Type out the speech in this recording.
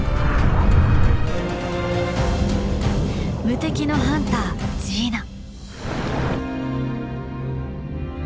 無敵のハンタージーナ。